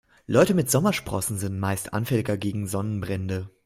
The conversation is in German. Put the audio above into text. Leute mit Sommersprossen sind meistens anfälliger gegen Sonnenbrände.